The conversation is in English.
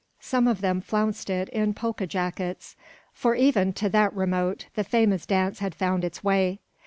Some of them flounced it in polka jackets; for even to that remote region the famous dance had found its way.